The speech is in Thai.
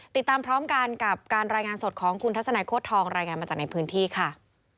ติดตามพร้อมกันกับการรายงานสดของคุณทัศนัยโค้ดทองรายงานมาจากในพื้นที่ค่ะ